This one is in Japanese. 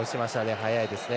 速いですね。